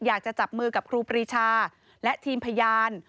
อยากจะจับมือกับครูปรีชาและทีมพยาน